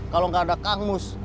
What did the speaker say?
kalau gak ada kangus